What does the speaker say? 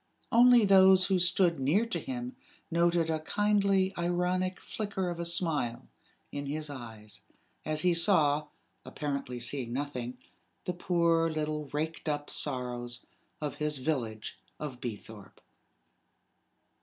Only those who stood near to him noted a kindly ironic flicker of a smile in his eyes, as he saw, apparently seeing nothing, the poor little raked up sorrows of his village of Beethorpe.